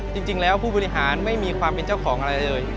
จริงแล้วผู้บริหารไม่มีความเป็นเจ้าของอะไรเลย